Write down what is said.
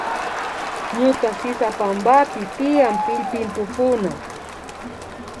Ñuka sisapampapi tiyan pillpintukuna